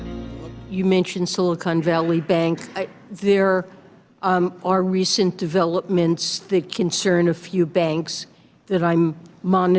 ada perkembangan yang terjadi yang menyebabkan beberapa bank yang saya perhatikan dengan sangat berhati hati